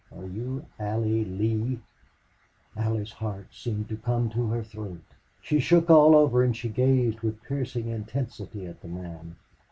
Are you Allie Lee?" Allie's heart seemed to come to her throat. She shook all over, and she gazed with piercing intensity at the man.